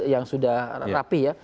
yang sudah rapih ya